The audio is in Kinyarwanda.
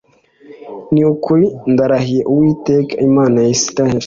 Ni ukuri ndarahira Uwiteka Imana ya Isirayeli